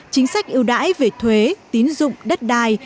chính sách ưu đãi về thuế tín dụng đất đai